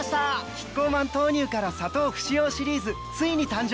キッコーマン豆乳から砂糖不使用シリーズついに誕生！